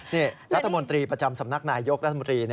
นี่รัฐมนตรีประจำสำนักนายยกรัฐมนตรี